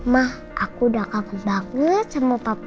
ma aku udah kaget banget sama papa